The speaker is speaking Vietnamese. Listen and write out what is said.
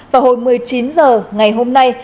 vào hồi một mươi chín giờ ngày hôm nay